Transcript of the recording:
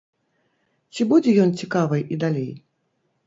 Ці будзе ён цікавы і далей?